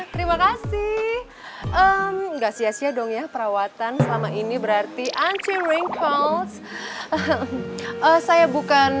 terima kasih enggak sia sia dong ya perawatan selama ini berarti anti wing calls saya bukan